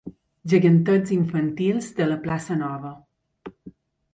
Gegantets infantils de la Plaça Nova.